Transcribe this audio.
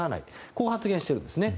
こう発言しているんですね。